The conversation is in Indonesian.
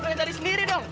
lo yang cari sendiri dong